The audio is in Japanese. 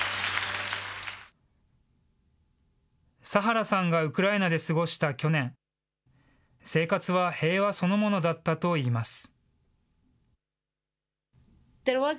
サハラさんがウクライナで過ごした去年、生活は平和そのものだったといいます。